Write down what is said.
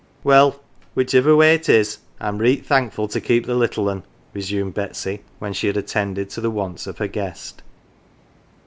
" Well, whichever way it is, I'm reet thankful to keep the little un," resumed Betsy, when she had attended to the wants of her guest.